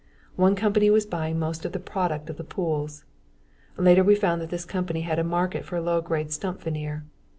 One company was buying most of the product of the pools. Later we found that this company had a market for low grade stump veneer.